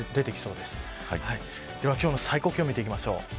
では今日の最高気温見ていきましょう。